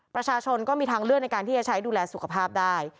ประชาชนก็มีทางเลือกในการที่จะใช้ดูแลสุขภาพได้